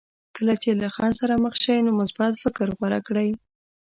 کله چې له خنډ سره مخ شئ نو مثبت فکر غوره کړئ.